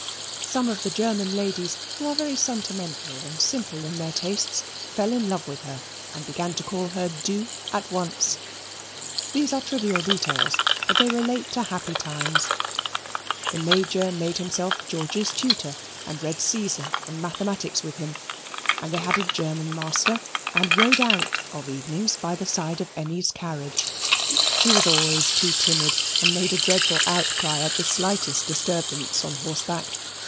Some of the German ladies, who are very sentimental and simple in their tastes, fell in love with her and began to call her du at once. These are trivial details, but they relate to happy times. The Major made himself George's tutor and read Caesar and mathematics with him, and they had a German master and rode out of evenings by the side of Emmy's carriage she was always too timid, and made a dreadful outcry at the slightest disturbance on horse back.